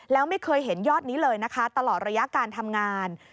แล้วไม่เคยเห็นยอดนี้เลยนะคะตลอดระยะการทำงาน